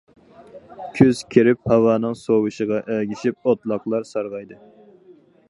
كۈز كىرىپ ھاۋانىڭ سوۋۇشىغا ئەگىشىپ، ئوتلاقلار سارغايدى.